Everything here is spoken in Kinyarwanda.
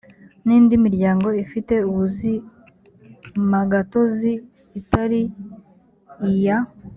n indi miryango ifite ubuzimagatozi itari iya